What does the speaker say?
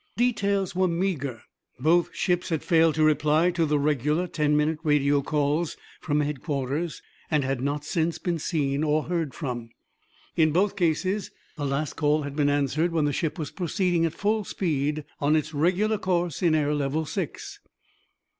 Details were meager. Both ships had failed to reply to the regular ten minute radio calls from headquarters and had not since been seen or heard from. In both cases the last call had been answered when the ship was proceeding at full speed on its regular course in air level six.